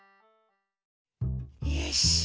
よし。